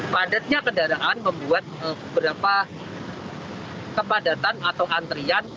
padatnya kendaraan membuat beberapa kepadatan atau antrian